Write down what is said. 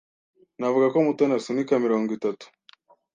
Navuga ko Mutoni asunika mirongo itatu.